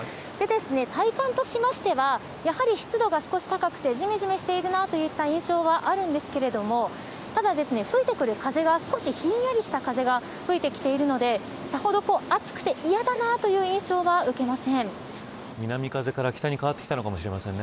体感としましてはやはり湿度が少し高くてじめじめしているなといった印象はあるんですがただ、吹いてくる風が少しひんやりした風が吹いてきているのでさほど、暑くて嫌だなという印象は受けません。